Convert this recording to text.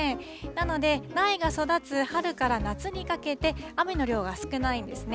なので、苗が育つ春から夏にかけて雨の量が少ないんですね。